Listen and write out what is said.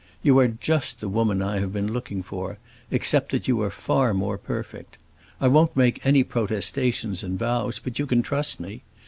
You are just the woman I have been looking for, except that you are far more perfect. I won't make any protestations and vows, but you can trust me.